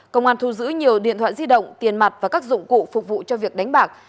công an thu giữ nhiều điện thoại di động tiền mặt và các dụng cụ phục vụ cho việc đánh bạc